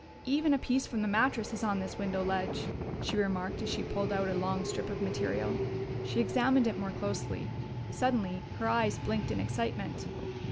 "Even a piece from the mattress is on this window ledge," she remarked as she pulled out a long strip of material. She examined it more closely. Suddenly her eyes blinked in excitement.